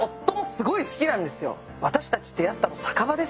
私たち出会ったの酒場ですから。